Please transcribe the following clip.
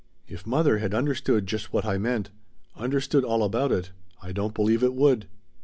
"If mother had understood just what I meant understood all about it I don't believe it would."